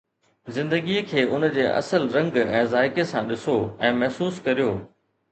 زندگي کي ان جي اصل رنگ ۽ ذائقي سان ڏسو ۽ محسوس ڪريو